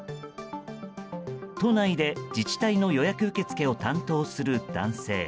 都内で自治体の予約受け付けを担当する男性。